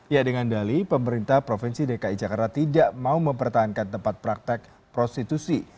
ya dengan dali pemerintah provinsi dki jakarta tidak mau mempertahankan tempat praktek prostitusi